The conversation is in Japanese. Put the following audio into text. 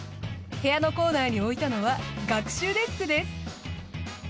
部屋のコーナーに置いたのは学習デスクです。